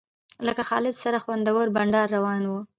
له خالد سره خوندور بنډار روان و.